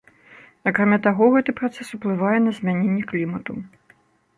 Акрамя таго, гэты працэс уплывае на змяненне клімату.